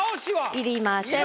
いりません。